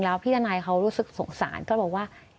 แล้วพี่ทนายเขารู้สึกสงสารก็บอกว่า